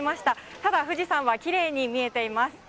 ただ、富士山はきれいに見えています。